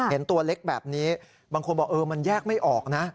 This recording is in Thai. เห็นตัวเล็กแบบนี้บางคนบอกเออมันแยกไม่ออกนะ